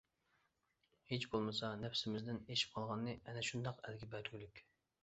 ھېچ بولمىسا نەپسىمىزدىن ئېشىپ قالغاننى ئەنە شۇنداق ئەلگە بەرگۈلۈك.